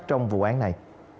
trong vụ án này